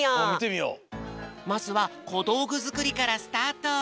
まずはこどうぐづくりからスタート。